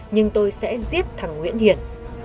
nhưng tôi sẽ giết thằng nguyễn hiển